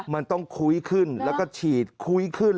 มันต้องคุ้ยขึ้นแล้วก็ฉีดคุ้ยขึ้น